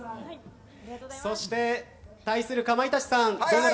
そして対するかまいたちさん